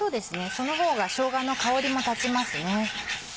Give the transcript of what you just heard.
その方がしょうがの香りも立ちますね。